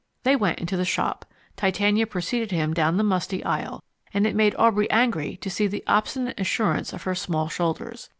They went into the shop. Titania preceded him down the musty aisle, and it made Aubrey angry to see the obstinate assurance of her small shoulders.